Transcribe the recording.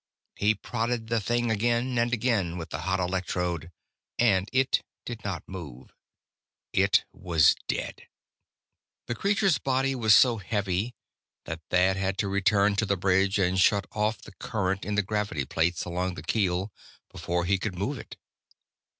He prodded the thing again and again with the hot electrode, and it did not move. It was dead. The creature's body was so heavy that Thad had to return to the bridge, and shut off the current in the gravity plates along the keel, before he could move it.